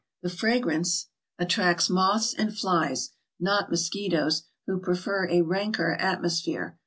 The fragrance attracts moths and flies; not mosquitoes, who prefer a ranker atmosphere.